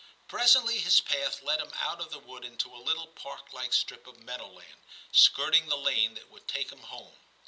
Presently his path led him out of the wood into a little parklike strip of meadow land, skirting the lane that would take him home.